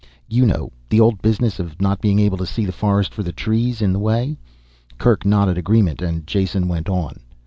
You know, the old business of not being able to see the forest for the trees in the way." Kerk nodded agreement and Jason went on.